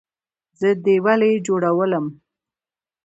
زه دې ولۍ جوړولم؟